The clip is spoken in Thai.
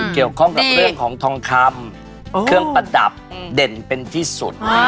เกี่ยวข้องกับเรื่องของทองคำเครื่องประดับเด่นเป็นที่สุด